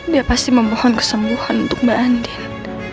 dia pasti memohon kesembuhan untuk mbak andi